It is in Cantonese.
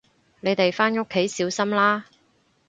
你哋返屋企小心啦